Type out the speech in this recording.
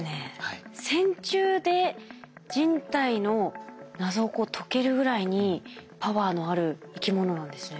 線虫で人体の謎を解けるぐらいにパワーのある生き物なんですね。